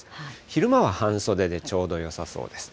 昼間は半袖でちょうどよさそうです。